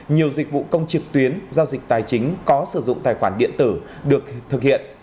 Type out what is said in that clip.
nhiều dịch vụ công trực tuyến giao dịch tài chính có sử dụng tài khoản điện tử được thực hiện